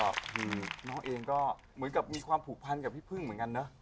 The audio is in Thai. คือน้องเองก็เหมือนกับมีความผูกพันกับพี่พึ่งเหมือนกันเนอะ